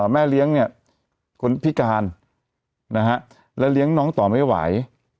แม่เลี้ยงคนพิการและเลี้ยงน้องต่อไม่ไหว